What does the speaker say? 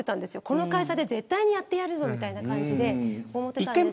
この会社で絶対やってやるぞみたいな感じで思っていたので。